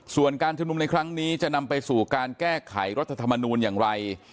ส่วนการชุมนุมในครั้งนี้จะนำไปสู่การแก้ไขรัฐธรรมนูลอย่างไร